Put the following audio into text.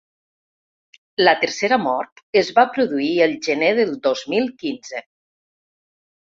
La tercera mort es va produir el gener del dos mil quinze.